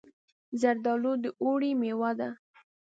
زردالو د اوړي مېوه ده.